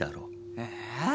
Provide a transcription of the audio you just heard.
ええ！